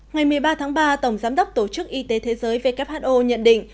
ngày một mươi ba tháng ba tổng giám đốc tổ chức y tế thế giới who nhận định